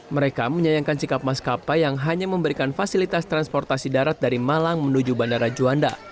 mereka menyayangkan sikap maskapai yang hanya memberikan fasilitas transportasi darat dari malang menuju bandara juanda